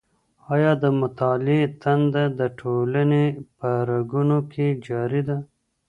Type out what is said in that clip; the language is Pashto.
آيا د مطالعې تنده د ټولني په رګونو کي جاري ده؟